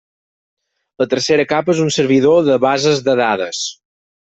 La tercera capa és un servidor de bases de dades.